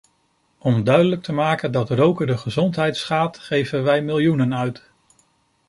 Om duidelijk te maken dat roken de gezondheid schaadt, geven wij miljoenen uit.